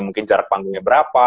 mungkin jarak panggungnya berapa